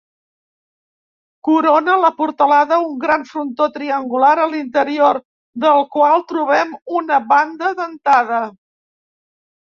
Corona la portalada un gran frontó triangular a l'interior del qual trobem una banda dentada.